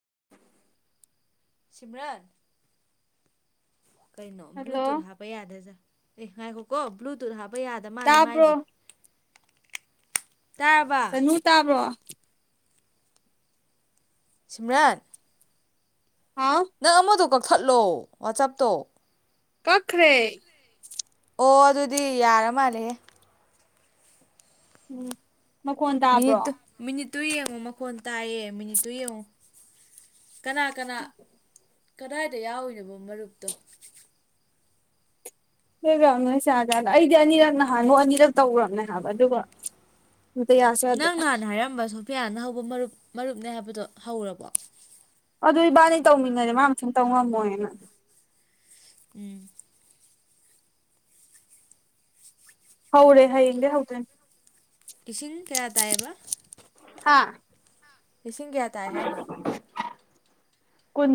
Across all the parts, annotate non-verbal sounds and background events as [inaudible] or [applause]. [unintelligible] ꯁꯤꯃꯔꯟ ꯀꯩꯅꯣ ꯕ꯭ꯂꯨꯇꯨꯠ ꯍꯜꯂꯣ ꯍꯥꯞꯄ ꯌꯥꯗꯦꯖꯥ ꯑꯦ ꯉꯥꯏꯈꯣꯛ ꯀꯣ꯭ꯂ ꯇ ꯍꯥ ꯐꯕ ꯌꯥꯗ ꯃꯥꯜꯂꯤ ꯃꯥꯏꯁꯦ ꯇꯥꯕ꯭ꯔꯣ ꯇꯥꯔꯕ ꯅꯨ ꯇꯥꯕ꯭ꯔꯣ ꯁꯤꯃꯔꯟ ꯍꯥꯎ ꯀꯛꯊꯠꯂꯣ ꯋꯥꯆꯞꯇꯣ ꯀꯛꯈ꯭ꯔꯦ ꯑꯣ ꯑꯗꯨꯗꯤ ꯌꯥꯔ ꯃꯥꯜꯂꯦ ꯎꯝ ꯃꯈꯣꯟ ꯃꯤꯅꯤꯠꯇ ꯇꯥꯕ꯭ꯔꯣ ꯃꯤꯅꯤ ꯇꯨ ꯌꯦꯡꯉꯣ ꯃꯈꯣꯟ ꯇꯥꯏꯌꯦ ꯃꯤꯅꯤ ꯇꯨ ꯌꯦꯡꯉꯣ ꯀꯅꯥ ꯀꯅꯥ ꯀꯗꯥꯏꯗ ꯌꯥꯎꯔꯤꯅꯣꯕꯣ ꯃꯔꯨꯞꯇꯣ ꯍꯣꯏ ꯅꯣꯏ ꯆꯥꯖꯥꯠꯗ ꯑꯩꯗꯤ ꯑꯅꯤꯔꯛ ꯅꯍꯥꯟꯉꯣ ꯑꯅꯤꯔꯛ ꯇꯧꯈ꯭ꯔꯕꯅꯦ ꯍꯥꯏꯕ ꯑꯗꯨꯒ ꯑꯝꯇ ꯌꯥꯁꯨ ꯌꯥꯗꯦ ꯅꯪ ꯅꯍꯥꯟꯅ ꯍꯥꯏꯔꯝꯕ ꯁꯣꯐꯤꯌꯥꯅ ꯍꯧꯕ ꯃꯔꯨꯞ ꯃꯔꯨꯞꯅꯦ ꯍꯥꯏꯕꯗꯣ ꯍꯧꯔꯕꯣ ꯑꯗꯨ ꯏꯕꯥꯅꯤ ꯇꯧꯃꯤꯟꯅꯔꯦ ꯃꯥ ꯃꯊꯟ ꯇꯧꯉꯝꯃꯣꯏꯅ ꯎꯝ ꯍꯥꯎꯔꯦ ꯍꯌꯦꯡꯗꯩ ꯍꯧꯗꫭꯏꯅꯦ ꯂꯤꯁꯤꯡ ꯀꯌꯥ ꯇꯥꯏꯌꯦꯕ ꯍꯥ ꯂꯤꯁꯤꯡ ꯀꯌꯥ ꯇꯥꯏ ꯍꯥꯏꯅꫭ ꯀꯟ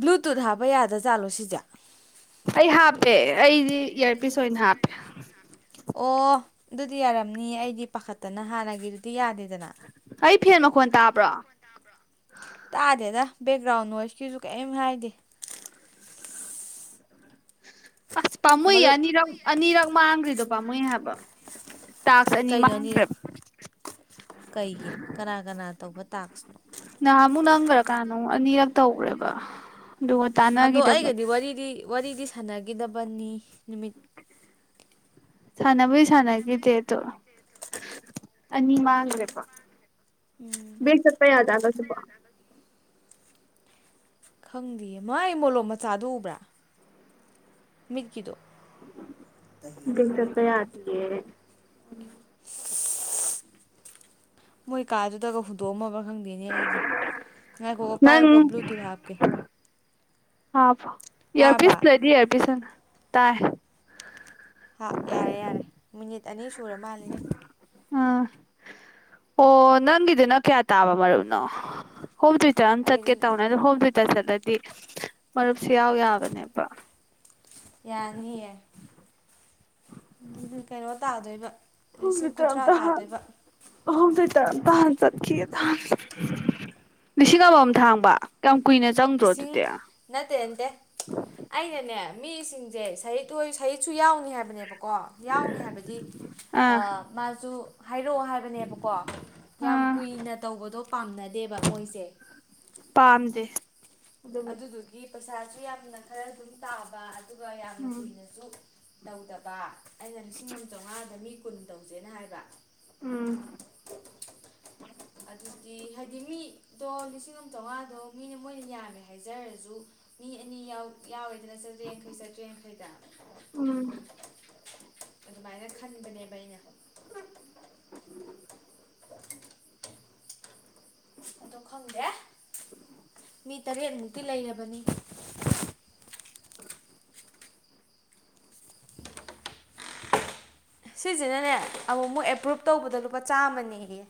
ꯕ꯭ꯂꯨꯇꯨꯠ ꯍꯥꯞꯄ ꯌꯥꯗꯥ ꯖꯥꯠꯂꯣ ꯁꯤꯁꯦ ꯑꯩ ꯍꯥꯞꯄꯦ ꯑꯩꯗꯤ ꯏꯌꯥꯔꯄꯤꯁ ꯑꯣꯏꯅ ꯍꯥꯞꯄꯦ ꯑꯣ ꯑꯗꯨꯗꯤ ꯌꯥꯔꯝꯅꯤ ꯑꯩꯗꯤ ꯄꯥꯈꯠꯇꯅ ꯍꯥꯟꯅꯒꯤꯗꯨꯗꯤ ꯌꯥꯗꯦ ꯑꯩ ꯐꯦꯟ ꯃꯈꯣꯟ ꯇꯥꯕ꯭ꯔꯣ ꯇꯥꯗꯦꯗ ꯕꯦꯛꯒ꯭ꯔꯥꯎꯟ ꯅꯣꯏꯁꯀꯤꯁꯨ ꯀꯔꯤꯝ ꯍꯥꯏꯗꯦ [inaudible] ꯑꯁ ꯄꯥꯃꯨꯏꯌꯦ ꯃꯔꯨꯞ ꯑꯅꯤꯔꯛ ꯑꯅꯤꯔꯛ ꯃꯥꯥꯡꯒꯔꯤꯗ ꯄꯥꯃꯨꯏ ꯍꯥꯏꯕ ꯇꯥꯛꯁ ꯑꯅꯤ ꯀꯩꯅꯣꯅꯤꯔꯛ ꯃꯥꯡꯈ꯭ꯔꯦꯕ ꯀꯩꯒꯤ ꯀꯅꯥ ꯀꯅꯥ ꯇꯧꯕ ꯇꯥꯛꯁꯅꯣ [unintelligible] ꯀꯥꯟꯅꯣ ꯑꯃꯨꯛ ꯑꯅꯤꯔꯛ ꯇꯧꯒ꯭ꯔꯦꯕ ꯑꯗꯨꯒ ꯑꯗꯣ ꯇꯥꯟꯅꯒꯤꯗꯕ ꯑꯩꯒꯗꯤ ꯋꯥꯔꯤꯗꯤ ꯋꯥꯔꯤꯗꯤ ꯁꯥꯟꯅꯒꯤꯗꯕꯅꯤ ꯅꯨꯃꯤꯠ ꯁꯥꯟꯅꯕꯩ ꯁꯥꯟꯅꯈꯤꯗꯦ ꯑꯗꯣ ꯑꯅꯤ ꯃꯥꯡꯒ꯭ꯔꯦꯕ ꯕꯦꯛ ꯆꯠꯄꯥ ꯌꯥꯖꯠꯂꫭ ꯁꯤꯕꫭ ꯈꯪꯗꯦꯌꯦ ꯃꯥꯥ ꯑꯩ ꯃꯣꯂꯣꯝ ꯃꯆꯥꯗꯨ ꯎꯕ꯭ꯔꯥ ꯃꯤꯠ ꯀꯤꯗꯣ [inaudible] ꯗꯦꯅꯦ ꯃꯣꯏ ꯀꯥꯗꯨꯗꯒ ꯍꯨꯟꯗꯣꯛ ꯑꯝꯃꯕ ꯈꯪꯗꯦꯅꯦ ꯑꯩꯖꯦ ꯉꯥꯏꯈꯣ ꯀꫭ ꯄꯥꯏꯌꯨꯀꫭ ꯕ꯭ꯂꯨꯇꯨꯠ ꯍꯥꯞꯀꯦ ꯑꯕꯣ ꯇꯥꯔꯕ ꯑꯤꯌ꯭ꯔꯄꯤꯁ ꯂꯩꯔꯗꯤ ꯑꯤꯌ꯭ꯔꯄꯤꯁ ꯇꯥꯏ ꯍꯥ ꯌꯥꯔꯦ ꯌꯥꯔꯦ ꯃꯤꯅꯤꯠ ꯑꯅꯤ ꯁꯨꯔ ꯃꯥꯜꯂꯦꯌꯦ ꯎꯝ ꯑꯣ ꯅꯪꯒꯤꯗꯨꯅ ꯀꯌꯥ ꯇꯥꯕ ꯃꯔꯨꯞꯅꯣ ꯍꫭꯝ ꯇꯨꯏꯇ꯭ꯔ ꯑꯝ ꯆꯠꯀꯦ ꯑꯩ ꯊꯥꯎꯏꯅꯦ ꯑꯗꫭ ꯍꫭꯝ ꯇꯨꯏ ꯇ꯭ꯔ ꯆꯠꯂꯗꯤ ꯃꯔꯨꯞꯁꯨ ꯌꯥꯎ ꯌꯥꯕꯅꯦꯕ ꯌꯥꯅꯤꯌꯦ ꯀꯩꯅꯣ ꯇꯥꯗꯣꯏꯕ ꯂꯤꯁꯤꯡ ꯀꯨꯟꯊ꯭ꯔꯥ ꯈꯪꯗꯦ ꯇꯥꯗꯣꯏꯕ [unintelligible] [unintelligible] ꯂꯤꯁꯤꯡ ꯑꯃꯃꯝ ꯊꯥꯡꯕ ꯀꯨꯏꯅ ꯆꯪꯗ꯭ꯔꯣ ꯑꯗꯨꯗꯤ ꯂꯤꯁꯤꯡ ꯑꯥ ꯅꯠꯇꯦ ꯅꯠꯇꯦ ꯑꯩꯅꯅꯦ ꯃꯤꯁꯤꯡꯁꯦ ꯁꯍꯤꯠ ꯍꯣꯏ ꯁꯍꯤꯠꯁꯨ ꯌꯥꯎꯅꯤ ꯍꯥꯏꯕꯅꯦꯕꯀꯣ ꯀꯣ ꯌꯥꯎꯅꯤ ꯍꯥꯏꯕꯗꯤ ꯑ ꯃꯥꯁꯨ ꯍꯥꯏꯔꯛꯑꯣ ꯍꯥꯏꯕꯅꯦꯕꯀꯣ ꯌꯥꯝ ꯑꯥ ꯀꯨꯏꯅ ꯇꯧꯕꯗꯣ ꯄꯥꯝꯅꯗꯦꯕ ꯃꯣꯏꯁꯦ ꯄꯥꯝꯗꯦ ꯑꯗꯨꯕꯨꯗꯤ ꯑꯗꯨꯗꯨꯒꯤ ꯄ꯭ꯔꯁꯥ ꯌꯥꯝꯅ ꯈꯔ ꯑꯗꯨꯝ ꯇꯥꯕ ꯑꯗꯨꯒ ꯌꯥꯝꯅ ꯎꯝ ꯀꯨꯏꯅꯁꯨ ꯇꯧꯗꯕ ꯑꯩꯅ ꯂꯤꯁꯤꯡ ꯑꯃ ꯆꯥꯝꯃꯉꯥꯗ ꯃꯤ ꯀꯨꯟ ꯇꯧꯁꯦꯅ ꯍꯥꯏꯕ ꯎꯝ ꯑꯗꯨꯗꯤ ꯍꯥꯏꯗꯤ ꯃꯤꯗꯣ ꯂꯤꯁꯤꯡ ꯑꯃ ꯆꯥꯝꯃꯉꯥꯗꯣ ꯃꯤꯅ ꯃꯣꯏꯅ ꯌꯥꯝꯃꯦ ꯍꯥꯏꯖꯔꯁꯨ ꯃꯤ ꯑꯅꯤ ꯌꯥꯎꯔꯦ ꯆꯥꯇ꯭ꯔꯦꯠ ꯌꯥꯡꯈꯩ ꯆꯥꯇꯔ꯭ꯦꯠ ꯌꯥꯡꯈꯩꯗ ꯎꯝ ꯑꯗꯨꯃꯥꯏꯅ ꯈꯟꯕꯅꯦꯕ ꯑꯩꯅ ꯑꯗꯣ ꯈꯪꯗꯦ ꯃꯤ ꯇꯔꯦꯠꯃꯨꯛꯇꯤ ꯂꯩꯔꯕꯅꯤ [unintelligible] ꯁꯤꯁꯤꯅꯅꯦ ꯑꯃꯨꯛ ꯑꯃꯨꯛ ꯑꯦꯄ꯭ꯔꯨꯞ ꯇꯧꯕꯗ ꯂꯨꯄꯥ ꯆꯥꯝꯃꯅꯦꯌꯦ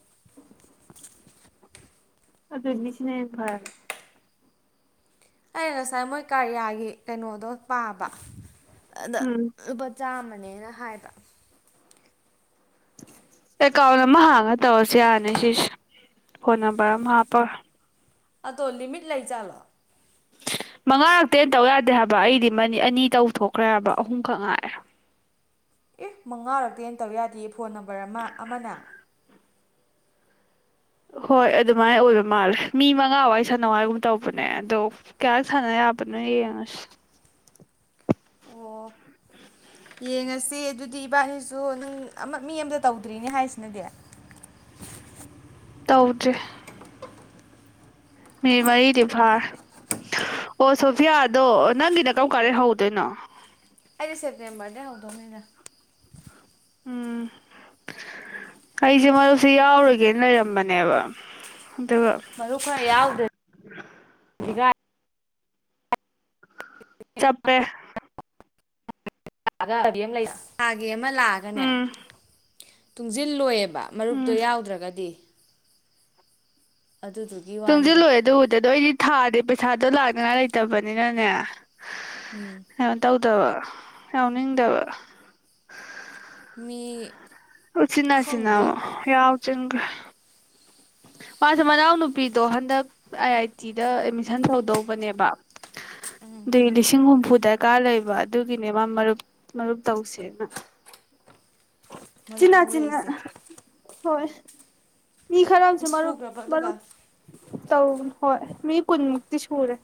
ꯑꯗꯨꯗ ꯁꯤꯅ ꯍꯦꯟꯅ ꯐꯔꯦ ꯑꯩ ꯉꯁꯥꯏ ꯃꯣꯏ ꯀꯔꯤꯌꯥꯒꯤ ꯀꯩꯅꯣꯗꯣ ꯄꯥꯕ ꯑꯗ ꯎꯝ ꯂꯨꯄꯥ ꯆꯥꯝꯃꯅꯦ ꯗ ꯍꯥꯏꯕ ꯑꯦꯀꯥꯎꯟ ꯑꯃ ꯍꯥꯡꯉ ꯇꯧꯔꯁꯨ ꯌꯥꯔꯅꯤ ꯁꯤꯁꯨ ꯐꯣꯟ ꯅꯝꯕꯔ ꯑꯃ ꯍꯥꯞꯄꯒ ꯑꯗꯣ ꯂꯤꯃꯤꯠ ꯂꯩꯖꯥꯠꯂꯣ ꯃꯉꯥꯔꯛꯇꯩ ꯍꯦꯟꯅ ꯇꯧ ꯌꯥꯗꯦ ꯍꯥꯏꯕ ꯑꯩꯗꯤ ꯑꯅꯤ ꯇꯧꯊꯣꯛꯈ꯭ꯔꯦ ꯍꯥꯏꯕ ꯑꯍꯨꯝꯈꯛ ꯉꯥꯢꯔꯦ ꯑꯦ ꯃꯉꯥꯔꯛꯇꯩꯅ ꯇꯧ ꯌꯥꯗꯦ ꯐꯣꯟ ꯅꯝꯕꯔ ꯑꯃ ꯑꯃꯅ ꯍꯣꯏ ꯑꯗꯨꯃꯥꯏꯅ ꯑꯣꯏꯕ ꯃꯥꯜꯂꯦ ꯃꯤ ꯃꯉꯥ ꯋꯥꯏ ꯁꯥꯟꯅꯋꯥꯏꯒꯨꯝ ꯇꯧꯕꯅꯦ ꯑꯗꯣ ꯀꯌꯥ ꯁꯥꯟꯅ ꯌꯥꯕꯅꯣ ꯌꯦꯡꯉꯁꯤ ꯑꯣ ꯌꯦꯡꯉꯁꯤ ꯑꯗꯨꯗꯤ ꯏꯕꯥꯅꯤꯁꯨ ꯅꯪ ꯑꯃ ꯃꯤ ꯑꯃꯗ ꯇꯧꯗ꯭ꯔꯤꯅꯦ ꯍꯥꯏꯁꯤꯅꯗꯤ ꯇꯧꯗ꯭ꯔꯤ ꯃꯤꯅꯤꯠ ꯃꯔꯤꯗꯤ ꯐꯥꯔꯦ ꯑꯣ ꯁꯣꯐꯤꯌꯥꯗꯣ ꯅꯪꯒꯤꯅ ꯀꯔꯝ ꯀꯥꯟꯗꯩ ꯍꯧꯗꯣꯏꯅꯣ ꯑꯩꯗꯤ ꯁꯦꯞꯇꯦꯝꯕꯔꯗꯩ ꯍꯧꯗꯧꯅꯤꯅ ꯎꯝ ꯑꯩꯁꯦ ꯃꯔꯨꯞꯁꯦ ꯌꯥꯎꯔꯔꯣꯏꯒꯦꯅ ꯂꯩꯔꯝꯕꯅꯦꯕ ꯑꯗꯨꯒ ꯃꯔꯨꯞ ꯈꯔ ꯌꯥꯎꯗꯔꯗꯤ [unintelligible] ꯆꯞꯄꯦ [unintelligible] ꯑꯃ ꯂꯥꯛꯑꯒꯅꯦ ꯎꯝ ꯇꯨꯡꯁꯤꯜꯂꯣꯏꯦꯕ ꯃꯔꯨꯞꯇꯣ ꯎꯝ ꯌꯥꯎꯗ꯭ꯔꯒꯗꯤ ꯑꯗꯨꯗꯨꯒꯤ ꯇꯨꯡꯁꯤ ꯋꯥꯅꯤꯗ ꯂꯣꯏꯑꯦ ꯑꯗꯨꯗꯦꯗꯣ ꯊꯥꯗꯦ ꯄꯩꯁꯥꯗꯣ ꯂꯥꯛꯅꯉꯥꯏ ꯂꯩꯇꯕꯅꯤꯅꯅꯦ ꯎꯝ ꯗꯕ ꯌꯥꯎꯅꯤꯡ ꯗꯕ ꯃꯤ ꯆꯤꯅꯥꯁꯤꯅꯥ ꯈꯪꯗꯦ ꯌꯥꯎ ꯆꯈ꯭ꯔꯦ ꯃꯥꯁꯦ ꯃꯅꯥꯎꯅꯨꯄꯤꯗꯣ ꯍꯟꯗꯛ ꯑꯥꯏ ꯑꯥꯏ ꯇꯤꯗ ꯑꯦꯗꯃꯤꯁꯟ ꯇꯧꯗꯧꯕꯅꯦꯕ ꯑꯗꯨꯏ ꯂꯤꯁꯤꯡ ꯍꯨꯝꯐꯨ ꯗꯔꯀꯥꯔ ꯂꯩꯕ ꯑꯗꯨꯒꯤꯅꯦ ꯃꯥ ꯃꯔꯨꯞ ꯃꯔꯨꯞ ꯇꯧꯁꯦꯅ ꯃꯔꯨꯞ ꯆꯤꯅꯥ ꯆꯤ ꯍꯧꯔꯛꯏꯁꯦ ꯍꯣꯏ ꯏ ꯈꯔꯞꯁꯨ ꯃꯥꯔ ꯁꯨꯈ꯭ꯔꯕ ꯃꯔꯔ ꯑꯗꯨꯒ ꯇꯧ ꯍꯣꯏ ꯃꯤ ꯀꯟꯃꯨꯛꯇꯛꯇ ꯆꯨꯔꯦ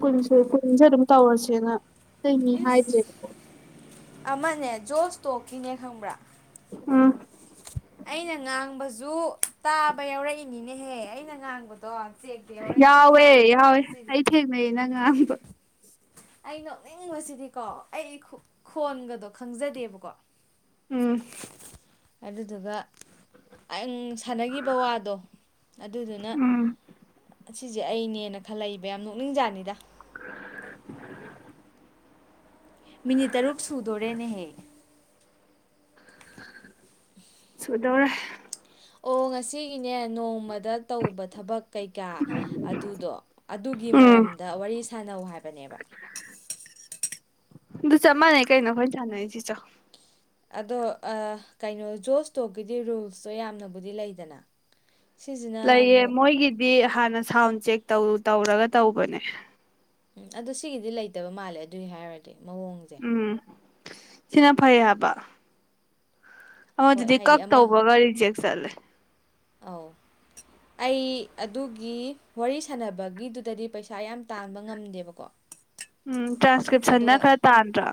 ꯄꯨꯟꯁꯤ ꯄꯨꯨꯟꯖꯔ ꯇꯧꯔꯁꯤꯅ ꯀꯩꯅꯤ ꯏꯁ ꯍꯥꯏꯗ꯭ꯦꯣ ꯑꯃꯅꯦ ꯖꯣꯁ ꯇꯣꯛꯀꯤꯅꯦ ꯈꯪꯕ꯭ꯔꯥ ꯑꯥ ꯑꯩꯅ ꯉꯥꯡꯕꯁꯨ ꯇꯥꯕ ꯌꯥꯎꯔꯛꯏꯅꯤꯅ ꯑꯦꯍꯦ ꯑꯩꯅ ꯉꯥꯡꯕꯗꯣ ꯆꯦꯛꯇ ꯌꯥꯎꯔꯛꯏꯕ ꯑꯩ ꯌꯥꯎꯋꯦ ꯌꯥꯎꯋꯦ ꯅꯣꯛꯅꯤꯡꯕꯁꯤꯗꯤ ꯑꯩ ꯊꯦꯡꯅꯩ ꯅꯪ ꯑꯝꯕ ꯑꯩ ꯅꯣꯛꯅꯤꯡꯕꯁꯤꯗꯤꯀꯣ ꯑꯩ ꯈꯣꯟꯒꯗꯣ ꯈꯪꯖꯗꯦꯕꯀꯣ ꯎꯝ ꯑꯗꯨ ꯑꯗꯨꯒ ꯑꯩꯪ ꯁꯅꯈꯤꯕ ꯋꯥꯗꯣ ꯑꯗꯨꯗꯨꯅ ꯎꯝ ꯑꯁꯤꯁꯦ ꯑꯩꯅꯦꯅ ꯈꯜꯂꯛꯏꯕ ꯌꯥꯝ ꯅꯣꯛꯅꯤꯡꯖꯥꯠꯅꯤꯗ [unintelligible] ꯃꯤꯅꯤꯠ ꯇꯔꯨꯛ ꯁꯨꯗꯣꯔꯦꯅꯦꯍꯦ ꯁꯗꯧꯔ ꯑꯣ ꯉꯁꯤꯒꯤꯅꯦ ꯅꯣꯡꯃꯗ ꯗ ꯇꯧꯕ ꯊꯕꯛ ꯀꯩꯀꯥ ꯑꯗꯨꯗꯣ ꯑꯗꯨꯒꯤ ꯎꯝ ꯃꯔꯝꯗ ꯋꯥꯔꯤ ꯁꯥꯟꯅꯧ ꯍꯥꯏꯕꯅꯦꯕ ꯑꯗꯨꯗꯨ ꯆꯞ ꯃꯥꯟꯅꯦꯩ ꯀꯩꯅꯣ ꯈꯣꯏ ꯆꯥꯅꯁꯤ ꯆ ꯑꯗꯣ ꯀꯩꯅꯣ ꯖꯣꯁꯇꯣꯛꯀꯤꯗꯤ ꯔꯨꯜꯁꯇꯣ ꯌꯥꯝꯅꯕꯨꯗꯤ ꯂꯩꯗꯅ ꯁꯤꯁꯤꯅ ꯂꯩꯌꯦ ꯑꯃꯨꯛ ꯃꯣꯏꯒꯤꯗꯤ ꯍꯥꯟꯅ ꯁꯥꯎꯟ ꯆꯦꯛ ꯇꯧꯔꯒ ꯇꯧꯕꯅꯦ ꯎꯝ ꯑꯗꯨ ꯁꯤꯒꯤꯗꯤ ꯂꯩꯇꯕ ꯃꯥꯜꯂꯦ ꯑꯗꯨꯏ ꯍꯥꯏꯔꯗꯤ ꯃꯑꯣꯡꯁꯦ ꯎꯝ ꯁꯤꯅ ꯐꯩ ꯍꯥꯏꯕ ꯍ ꯍꯣꯏ ꯍꯥꯏꯗꯤ ꯑꯗꯨꯗꯤꯛꯥꯛ ꯑꯃ ꯇꯕꯕ ꯒꯥꯖꯦꯛ ꯁꯂꯦ ꯑꯧ ꯑꯩ ꯑꯗꯨꯒꯤ ꯋꯥꯔꯤ ꯁꯥꯟꯅꯕꯒꯤꯗꯨꯗꯗꯤ ꯄꯩꯁꯥ ꯌꯥꯝ ꯇꯥꯟꯕ ꯉꯝꯗꯦꯕꯀꯣ ꯎꯝ ꯇ꯭ꯔꯥꯟꯁꯀ꯭ꯔꯤꯞꯁꯟꯅ ꯑꯗꯨꯒ ꯈꯔ ꯇꯥꯟꯗ꯭ꯔꯥ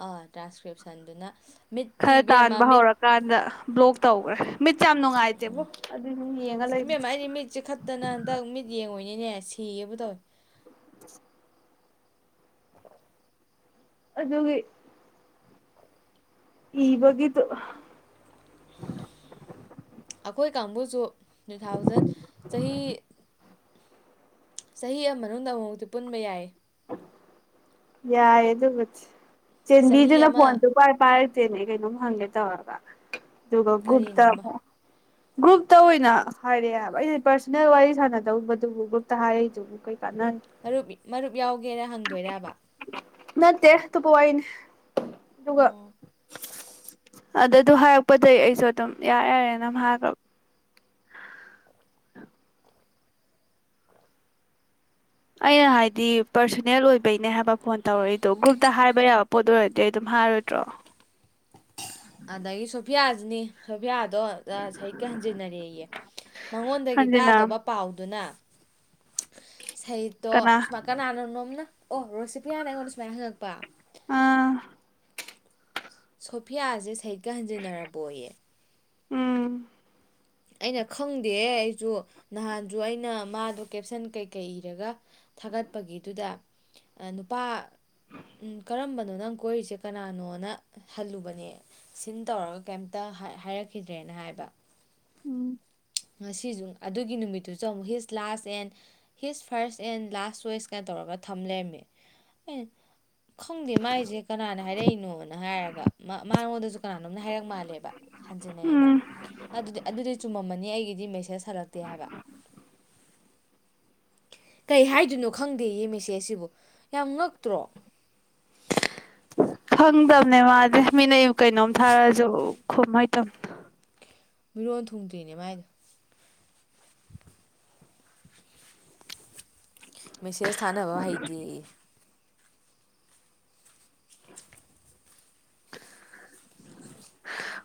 ꯑꯥ ꯇ꯭ꯔꯥꯟꯁꯀ꯭ꯔꯤꯞꯁꯟꯗꯨꯅ ꯃꯤꯠꯇꯤ ꯈꯔ ꯏꯕꯦꯝꯃ ꯇꯥꯟꯕ ꯃꯤꯠ ꯍꯧꯔꯀꯥꯟꯗ ꯕ꯭ꯂꯣꯛ ꯇꯧꯈ꯭ꯔꯦ ꯃꯤꯠꯁꯦ ꯌꯥꯝ ꯅꯨꯡꯉꯥꯏꯇꯦꯕꯣ ꯑꯗꯨꯏꯅꯦ ꯌꯦꯡꯉ ꯑꯁ ꯂꯩꯕ ꯏꯕꯦꯝꯃ ꯅꯤꯅꯦꯁꯤꯒꯕꯨ ꯇꯧ ꯎ ꯑꯗꯣ ꯍ ꯏꯕꯒꯤꯗꯨ ꯑꯩꯈꯣꯏ ꯀꯥꯡꯕꯨꯁꯨ ꯇꯨ ꯊꯥꯎꯖꯟ ꯆꯍꯤ ꯆꯍꯤ ꯃꯅꯨꯡꯗ ꯑꯃꯨꯃꯨꯛꯇꯤ ꯄꯨꯟꯕ ꯌꯥꯏ ꯌꯥ ꯑꯦꯗꯨ ꯀ ꯆꯍꯤ ꯆꯕꯤꯖꯨꯅ ꯑꯃ ꯐꯣꯟ ꯇ ꯀꯔ ꯄ ꯠꯇꯦꯅꯦꯒꯩꯅꯣ ꯍꯜꯦ ꯇꯋꯥꯔꯒ ꯑꯗꯨꯒꯣ ꯨꯨꯔꯇ ꯀꯔꯤꯅꯣ ꯒ꯭ꯔꯨꯞꯇ ꯑꯣꯏꯅ ꯍꯥꯏꯔꯛꯑꯦ ꯍꯥꯏꯕ ꯑꯩꯅ ꯄꯥꯔꯁꯣꯅꯦꯜ ꯋꯥꯔꯤ ꯁꯥꯟꯅꯗꯧꯕꯗꯨꯕꯨ ꯒ꯭ꯔꯨꯞꯇ ꯍꯥꯏꯔꯏꯗꯨꯕꯨ ꯀ ꯃꯔꯨꯞ ꯃꯔꯨꯞ ꯌꯥꯎꯒ ꯒꯦꯅ ꯍꯪꯗꯣꯏꯔꯕ ꯅ ꯗꯦꯍ ꯇ ꯄꯣꯏꯅꯦ ꯑꯗꯨꯒ ꯑꯣ ꯑꯗꯨ ꯑꯗꯨ ꯍꯥꯏꯔꯛꯄꯗꯒꯤꯩ ꯑꯩꯁꯨ ꯑꯗꯨꯝ ꯌꯥ ꯌꯥꯔꯦ ꯑꯗꯨꯝ ꯍꯥꯏꯈ꯭ꯔꯕ ꯑꯩꯅ ꯍꯥꯏꯗꯤ ꯄꯔꯁꯣꯅꯦꯜ ꯑꯣꯏꯕꯩꯅꯦ ꯍꯥꯏꯕ ꯐꯣꯟ ꯇꯧꯔꯛꯏꯗꯣ ꯒ꯭ꯔꯨꯞꯇ ꯍꯥꯏꯕ ꯌꯥꯕ ꯄꯣꯠꯇ ꯑꯣꯏꯔꯗꯤ ꯑꯩ ꯑꯗꯨꯝ ꯍꯥꯏꯔꯣꯏꯗ꯭ꯔꯣ ꯑꯗ ꯑꯩ ꯁ ꯄꯤꯌꯥꯖꯅꯤ ꯑꯕꯤꯌꯥꯗꯣ ꯍꯀ ꯍꯟꯖꯤꯟꯅꯔꯦꯌꯦ ꯃꯉꯣꯟꯗꯒꯤ ꯍꯟꯖꯤꯅ ꯇꯥꯗꯕ ꯄꯥꯎꯗꯨꯅ ꯁꯍꯤꯠꯇꯣ ꯀꯅꯥ ꯁꯨꯃ ꯀꯅꯥꯅꯣꯅꯣꯝꯅ ꯑꯣ ꯔꯣꯁꯤꯄꯤꯌꯥꯥꯟꯅ ꯑꯩꯉꯣꯟꯗ ꯁꯨꯃꯥꯏꯅ ꯍꯪꯉꯛꯄ ꯑꯥ ꯁꯣꯐꯤꯌꯥꯁꯦ ꯁꯩ ꯀ ꯍꯟꯖꯤꯟꯅꯔꯕ ꯑꯣꯏꯌꯦ ꯎꯝ ꯑꯩꯅ ꯈꯪꯗꯦ ꯑꯩꯁꯨ ꯅꯍꯥꯟꯁꯨ ꯑꯩꯅ ꯃꯥꯗꯣ ꯀꯦꯞꯁꯟ ꯀꯩꯀꯩ ꯏꯔꯒ ꯊꯥꯒꯠꯄꯒꯤꯗꯨꯗ ꯅꯨꯄꯥ ꯀꯔꯝꯕꯅꯣ ꯅꯪ ꯀꯣꯏꯔꯤꯁꯦ ꯀꯅꯥꯅꯣꯅ ꯍꯜꯂꯨꯕꯅꯦ ꯁꯤꯟ ꯇꯧꯔꯒ ꯀꯩꯝꯇ ꯍꯥꯏꯔꯛꯈꯤꯗ꯭ꯔꯦꯅ ꯍꯥꯏꯕ ꯎꯝ ꯉꯁꯤꯁꯨ ꯑꯗꯨꯒꯤ ꯅꯨꯃꯤꯠꯇꯨꯁꯨ ꯑꯃꯨꯛ his last and his first and last choice ꯀꯥꯏ ꯇꯧꯔꯒ ꯊꯝ ꯂꯩꯔꯝꯃꯦ ꯈꯪꯗꯦ ꯃꯥꯏꯁꯦ ꯀꯅꯥꯅ ꯍꯥꯏꯔꯛꯏꯅꯣꯅ ꯍꯥꯏꯔꯒ ꯃꯥꯉꯣꯟꯗꯁꯨ ꯀꯅꯥꯅꯣꯝꯅ ꯍꯥꯏꯔꯛ ꯃꯥꯜꯂꯦꯕ ꯍꯟꯖꯤꯟꯅꯩꯑꯅ ꯎꯝ ꯑꯗꯨꯗꯤ ꯑꯗꯨꯗꯤ ꯆꯨꯝꯃꯝꯃꯅꯤ ꯑꯩ ꯃꯦꯁꯦꯁ ꯍꯜꯂꯛꯇꯦ ꯍꯥꯏꯕ ꯀꯩ ꯍꯥꯏꯗꯣꯏꯅꯣ ꯈꯪꯗꯦ ꯃꯦꯁꯦꯖꯁꯤꯕꯨ ꯌꯥꯝ ꯉꯛꯇ꯭ꯔꯣ ꯈꯪꯗꯕꯅꯦ ꯃꯥꯗꯤ ꯃꯤꯅ ꯑꯩ ꯀꯩꯅꯣꯝ ꯊꯥꯔꯛꯑꯁꯨ ꯈꯨꯝ ꯍꯥꯏꯇꯝꯅꯤ ꯃꯤꯔꯣꯟ ꯊꯨꯡꯗ꯭ꯔꯤꯅꯦ ꯃꯥꯏꯗꯣ ꯃꯦꯁꯦꯁ ꯊꯥꯅꯕ ꯍꯩꯇꯦ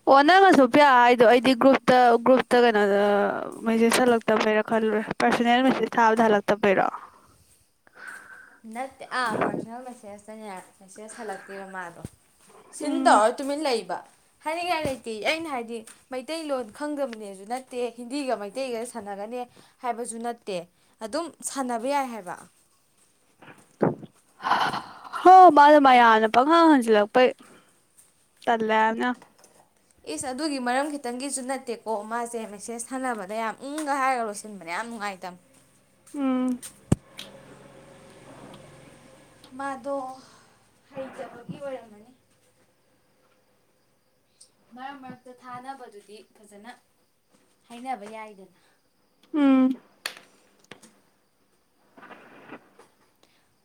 ꯑꯣ ꯅꯪꯅꯁꯨ ꯄꯌꯥ ꯍꯥꯏꯗꯣ ꯑꯩꯗꯤ ꯒ꯭ꯔꯨꯞꯇ ꯒ꯭ꯔꯨꯞꯇ ꯀꯩꯅꯣꯗ ꯃꯦꯁꯦꯖ ꯍꯜꯂꯛꯇꯕꯩꯔꯣ ꯈꯜꯂꯨꯔꯦ ꯄꯥꯔꯁꯣꯅꯦꯜ ꯃꯦꯆꯦꯖ ꯊꯥꯕꯗ ꯍꯜꯂꯛꯇꯕꯩꯔꯣ ꯅꯠꯇꯦ ꯑꯥ ꯄꯁꯅꯦꯜ ꯃꯦꯁꯦꯖ ꯆꯪꯅ ꯃꯦꯁꯦꯁ ꯍꯜꯂꯛꯇꯦꯕ ꯃꯥꯗꯣ ꯁꯤꯟ ꯎꯝ ꯇꯧꯔꯣꯏ ꯇꯨꯃꯤꯟ ꯂꯩꯕ ꯍꯥꯏꯅꯤꯡꯉꯥꯏ ꯂꯩꯇꯦ ꯑꯩꯅ ꯍꯥꯏꯗꯤ ꯃꯩꯇꯩꯂꯣꯟ ꯈꯪꯗꯕꯅꯦꯁꯨ ꯅꯠꯇꯦ ꯍꯤꯟꯗꯤꯒ ꯃꯩꯇꯩꯒ ꯁꯥꯟꯅꯒꯅꯤ ꯍꯥꯏꯕꯁꯨ ꯅꯠꯇꯦ ꯑꯗꯨꯝ ꯁꯥꯟꯅꯕ ꯌꯥꯏ ꯍꯥꯏꯕ ꯍ ꯃꯥꯅ ꯃꯌꯥꯝꯅ ꯄꯪꯉꯥꯡ ꯍꯟꯖꯤꯜꯂꯛꯄꯩ ꯇꯜꯂꯦ ꯍꯥꯏꯕꯅꯤ ꯌꯥꯝꯅ ꯏꯁ ꯑꯗꯨꯒꯤ ꯃꯔꯝ ꯈꯤꯇꯪꯒꯤꯁꯨ ꯅꯠꯇꯦꯀꯣ ꯃꯥꯁꯦ ꯃꯦꯁꯦꯁ ꯁꯥꯅꯕꯗ ꯌꯥꯝ ꯏꯪꯒ ꯍꯥꯏꯔꯒ ꯂꯣꯏꯁꯤꯟꯕꯅ ꯌꯥꯝ ꯅꯨꯡꯉꯥꯏꯇꯝꯃꯦ ꯎꯝ ꯃꯥꯗꯣ ꯍꯩꯇꯕꯒꯤ ꯑꯣꯏꯔꯝꯃꯅꯤ ꯃꯔꯛ ꯃꯔꯛꯇ ꯊꯥꯅꯕꯗꯨꯗꯤ ꯐꯖꯅ ꯍꯥꯏꯅꯕ ꯌꯥꯏꯗꯅ ꯎꯝ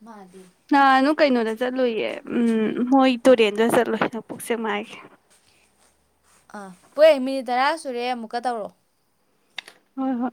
ꯃꯥꯗꯤ ꯑ ꯅꯪ ꯀꯩꯅꯣꯗ ꯆꯠꯂꯨꯏꯌꯦ ꯎꯝ ꯃꯣꯏ ꯇꯨꯔꯦꯟꯗ ꯆꯠꯂꯨꯏ ꯅꯣꯡꯄꯣꯛ ꯁꯦꯛꯃꯥꯥꯏꯒꯤ ꯑꯥ ꯄꯦ ꯃꯤꯅꯤꯠ ꯇꯔꯥ ꯁꯨꯔꯦ ꯑꯃꯨꯛꯀ ꯇꯧꯔꯣ ꯍꯣꯏ ꯍꯣꯏ